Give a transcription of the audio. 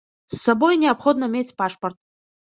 З сабой неабходна мець пашпарт.